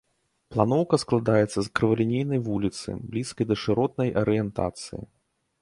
Планоўка складаецца з крывалінейнай вуліцы, блізкай да шыротнай арыентацыі.